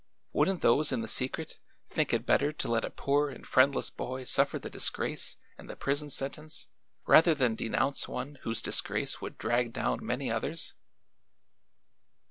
Wouldn't those in the secret think it better to let a poor and friendless boy suffer the disgrace and the prison sentence, rather than denounce one whose disgrace would drag down many others?"